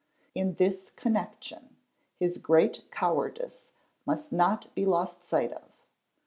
In this connection his great cowardice must not be lost sight of.